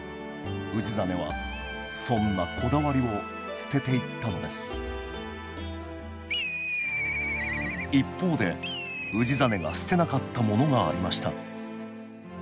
氏真はそんなこだわりを捨てていったのです一方で氏真が捨てなかったものがありました